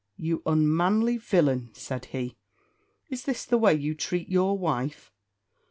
"You unmanly villain," said he, "is this the way you treat your wife?